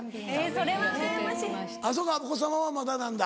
そうかお子様はまだなんだ。